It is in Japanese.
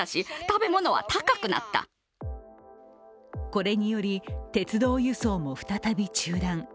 これにより鉄道輸送も再び中断。